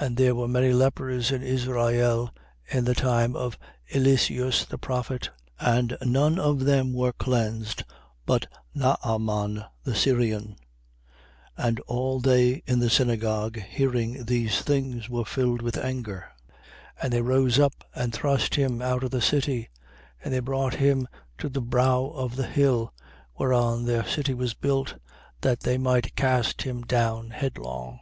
4:27. And there were many lepers in Israel in the time of Eliseus the prophet: and none of them was cleansed but Naaman the Syrian. 4:28. And all they in the synagogue, hearing these things, were filled with anger. 4:29. And they rose up and thrust him out of the city: and they brought him to the brow of the hill whereon their city was built, that they might cast him down headlong.